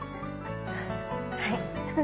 はい。